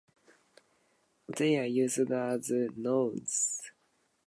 They are used as nouns, adjectives, or adverbs in a sentence.